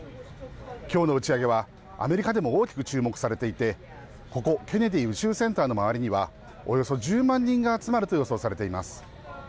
きょうの打ち上げはアメリカでも大きく注目されていてここケネディ宇宙センターの周りにはおよそ１０万人が集まると予想されています。